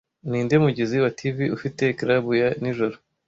Ninde mugizi wa TV ufite club ya nijoro